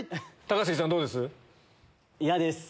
高杉さんどうです？